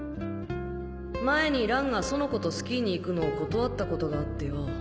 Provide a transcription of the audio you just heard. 前に蘭が園子とスキーに行くのを断ったことがあってよ。